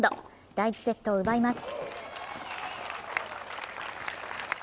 第１セットを奪います。